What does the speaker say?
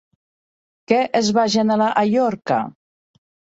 Què es va generar a Llorca?